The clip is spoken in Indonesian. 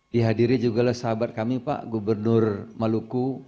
dihadiri juga oleh sahabat kami pak gubernur maluku